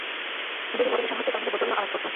যদি মদে নেশা হতো তাহলে বোতল না আওয়াজ করত?